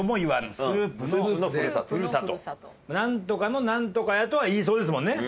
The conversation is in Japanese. なんとかのなんとかやとは言いそうですもんね。